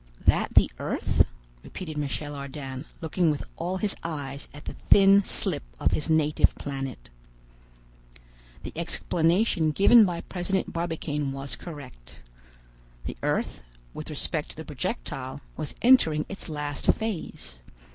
"That the earth?" repeated Michel Ardan, looking with all his eyes at the thin slip of his native planet. The explanation given by President Barbicane was correct. The earth, with respect to the projectile, was entering its last phase.